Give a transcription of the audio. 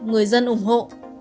người dân ủng hộ